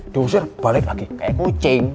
diusir balik lagi kayak kucing